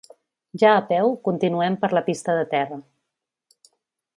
Ja a peu, continuem per la pista de terra.